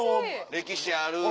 歴史ある。